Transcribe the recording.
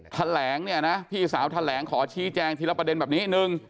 แถลงเนี่ยนะพี่สาวแถลงขอชี้แจงทีละประเด็นแบบนี้หนึ่ง